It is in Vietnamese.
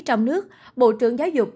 trong nước bộ trưởng giáo dục